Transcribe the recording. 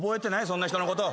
そんな人のこと。